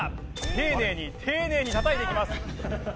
丁寧に丁寧に叩いていきます。